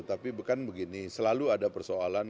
tapi bukan begini selalu ada persoalan